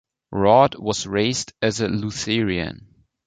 Rod was raised as a Lutheran.